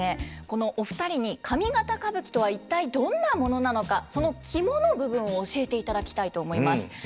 このお二人に上方歌舞伎とは一体どんなものなのかその肝の部分を教えていただきたいと思います。